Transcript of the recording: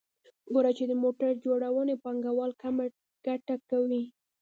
ګورو چې د موټر جوړونې پانګوال کمه ګټه کوي